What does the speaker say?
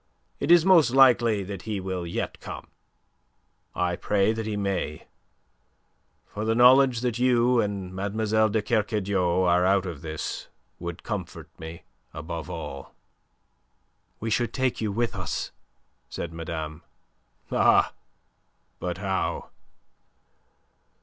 It is most likely that he will yet come. I pray that he may; for the knowledge that you and Mlle. de Kercadiou are out of this would comfort me above all." "We should take you with us," said madame. "Ah! But how?"